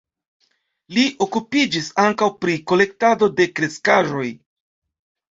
Li okupiĝis ankaŭ pri kolektado de kreskaĵoj.